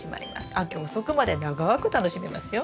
秋遅くまで長く楽しめますよ。